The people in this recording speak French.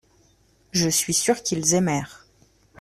Je suis sûr qu’ils aimèrent.